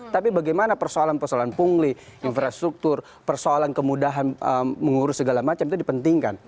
tapi bagaimana persoalan persoalan pungli infrastruktur persoalan kemudahan mengurus segala macam itu dipentingkan